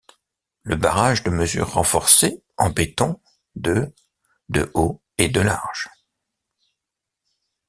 Le barrage de mesures renforcées en béton de de haut et de large.